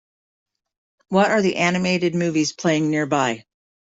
What are the animated movies playing nearby